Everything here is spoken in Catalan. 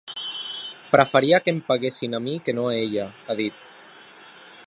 Preferia que em peguessin a mi que no a ella, ha dit.